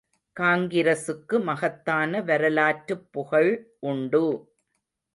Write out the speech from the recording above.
காங்கிரசுக்கு மகத்தான வரலாற்றுப் புகழ் உண்டு!